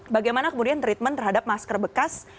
bagaimana kemudian treatment terhadap masker bekas